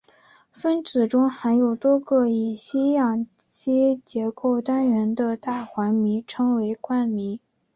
分子中含有多个乙烯氧基结构单元的大环醚称为冠醚。